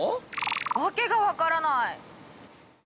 訳が分からない！